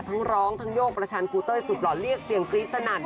ทั้งร้องทั้งโยกประชันครูเต้ยสุดหล่อเรียกเสียงกรี๊ดสนั่น